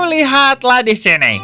oh lihatlah di sini